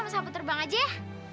aku sama sapu terbang aja ya